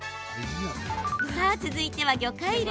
さあ続いては魚介類。